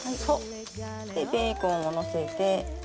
ベーコンをのせて。